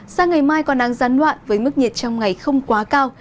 sao ngày mai còn đang gián loạn với mức nhiệt trong ngày không quá cao